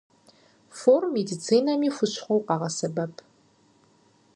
Фор медицинэми хущхъуэу къагъэсэбэп.